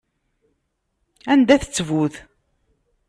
Anda-t ttbut?